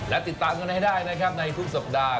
และติดตามกันให้ได้นะครับในทุกสัปดาห